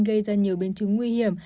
gây ra nhiều biến trứng nguy hiểm